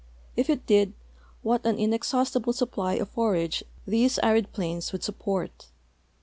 If it did, what an inexhaust il)le supply of forage these arid i)lains would sup])ort.